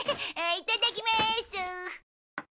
いただきます！